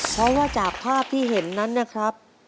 เพราะว่าจากภาพที่เห็นนั้นนะครับ